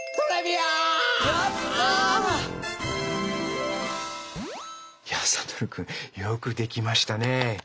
やった！やサトルくん。よくできましたねぇ！